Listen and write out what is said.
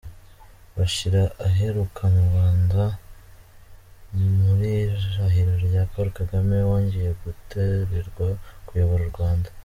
Bashir aheruka mu Rwanda mu irahira rya Paul Kagame wongeye gutorerwa kuyobora u Rwanda.